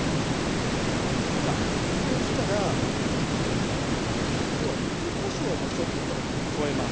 さあそうしたらここにね今日は柚子こしょうもちょっと添えます。